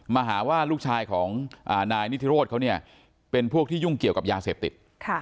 มาหาว่าลูกชายของนายนิทิโรธเขาเนี่ยเป็นพวกที่ยุ่งเกี่ยวกับยาเสพติด